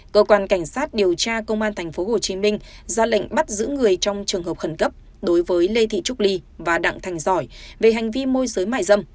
cơ quan cảnh sát điều tra công an tp hcm ra lệnh bắt giữ người trong trường hợp khẩn cấp đối với lê thị trúc ly và đặng thành giỏi về hành vi môi giới mại dâm